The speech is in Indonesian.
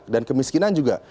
dan kemiskinan juga